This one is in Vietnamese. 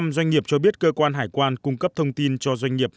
bảy mươi bảy doanh nghiệp cho biết cơ quan hải quan cung cấp thông tin cho doanh nghiệp